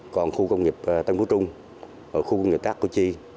còn khu công nghiệp tân phú trung khu công nghiệp tát cô chi